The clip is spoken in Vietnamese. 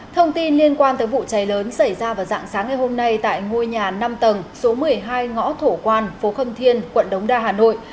thông tin liên quan tới vụ cháy lớn xảy ra vào dạng sáng ngày hôm nay tại ngôi nhà năm tầng số một mươi hai ngõ thổ quan phố khâm thiên quận đống đa hà nội